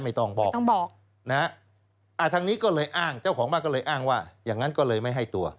ไม่ต้องบอกต้องบอกนะฮะทางนี้ก็เลยอ้างเจ้าของบ้านก็เลยอ้างว่าอย่างนั้นก็เลยไม่ให้ตัว